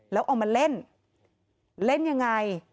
แล้วออกมาเล่น